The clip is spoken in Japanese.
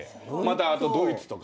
あとドイツとかも。